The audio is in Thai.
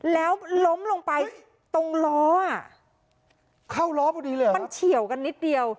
แล้วล้มลงไปตรงล้ออ่ะเข้าล้อพอดีเลยเหรอมันเฉียวกันนิดเดียว